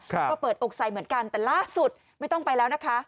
ก็เปิดอกใส่เหมือนกันแต่ล่าสุดไม่ต้องไปแล้วนะคะ